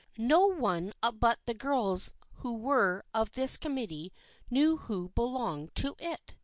No one but the girls who were of this committee knew who belonged to it.